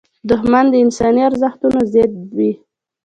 دښمن د انساني ارزښتونو ضد وي